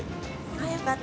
よかった。